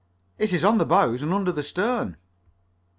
"It is on the bows and under the stern."